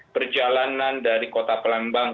perjalanan dari kota pelambang